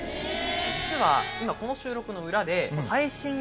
実は今この収録の裏で。